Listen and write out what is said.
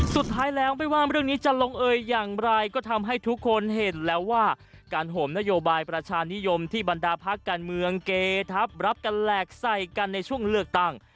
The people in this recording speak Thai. สุดท้ายแล้วไม่ว่าเรื่องนี้จะลงเอยอย่างไรก็ทำให้ทุกคนเห็นแล้วว่าการโหมนโยบายประชานิยมที่บรรดาพักการเมืองเกทับรับกันแหลกใส่กันในช่วงเลือกตั้ง